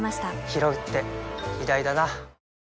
ひろうって偉大だな